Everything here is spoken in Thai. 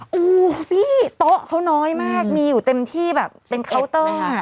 โอ้โหพี่โต๊ะเขาน้อยมากมีอยู่เต็มที่แบบเป็นเคาน์เตอร์